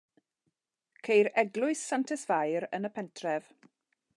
Ceir eglwys Santes Fair yn y pentref.